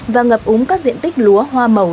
và ngập úng các diện tích lúa hoa màu